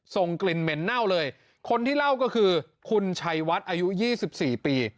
ส่งกลิ่นเหม็นเน่าเลยคนที่เล่าก็คือคุณชัยวัดอายุ๒๔ปี